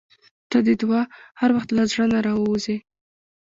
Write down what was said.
• ته د دعا هر وخت له زړه نه راووځې.